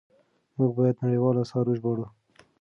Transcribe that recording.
موږ بايد نړيوال آثار وژباړو.